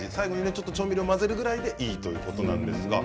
ちょっと混ぜるぐらいでいいということです。